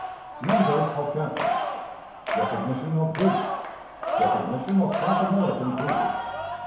Numbers of Captures. Recognition of Greece. Recognition of South American Cruisers.